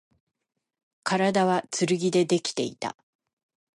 体は剣でできていた